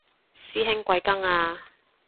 師兄貴庚啊